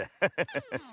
ハハハハ。